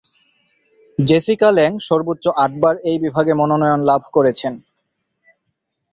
Jessica Lange সর্বোচ্চ আটবার এই বিভাগে মনোনয়ন লাভ করেছেন।